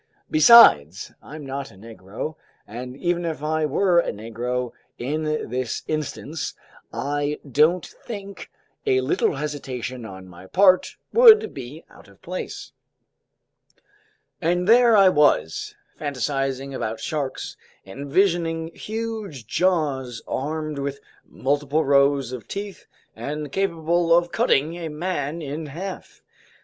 Besides, I'm not a Negro, and even if I were a Negro, in this instance I don't think a little hesitation on my part would be out of place." And there I was, fantasizing about sharks, envisioning huge jaws armed with multiple rows of teeth and capable of cutting a man in half.